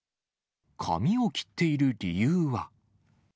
髪を切っている理由は。